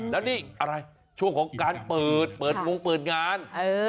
แล้วนี่อะไรช่วงของการเปิดเปิดวงเปิดงาน